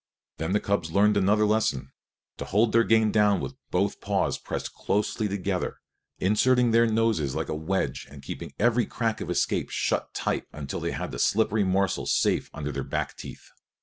Then the cubs learned another lesson: to hold their game down with both paws pressed closely together, inserting their noses like a wedge and keeping every crack of escape shut tight until they had the slippery morsel safe under their back teeth.